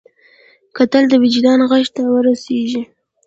کتل د وجدان غږ ته ور رسېږي